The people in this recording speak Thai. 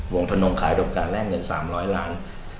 วงทนมขายอุดมการแลกเงินสามร้อยล้าน